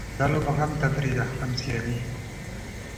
دا لوبه هم تفریح ده؛ هم سیالي.